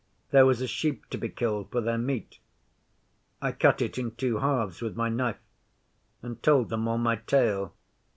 There was a sheep to be killed for their meat. I cut it in two halves with my knife, and told them all my tale.